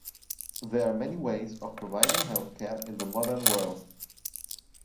There are many ways of providing healthcare in the modern world.